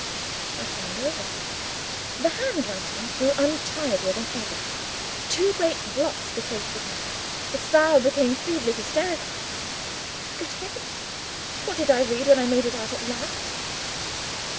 I turned over. The handwriting suddenly grew untidier than ever; two great blots defaced the paper; the style became feebly hysterical. Good Heavens! what did I read when I made it out at last!